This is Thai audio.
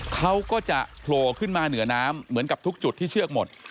เขาก็จะโผล่ขึ้นมาเหนือน้ำเหมือนกับทุกจุดที่เชือกหมด